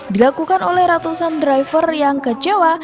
dilakukan oleh ratusan driver yang kecewa